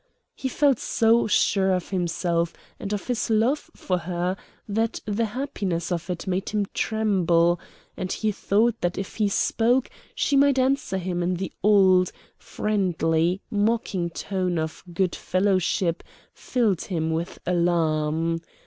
He felt so sure of himself and of his love for her that the happiness of it made him tremble, and the thought that if he spoke she might answer him in the old, friendly, mocking tone of good fellowship filled him with alarm.